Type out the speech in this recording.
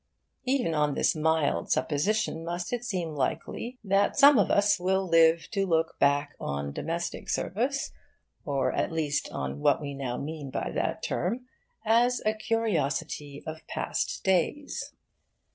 Even on this mild supposition must it seem likely that some of us will live to look back on domestic service, or at least on what we now mean by that term, as a curiosity of past days.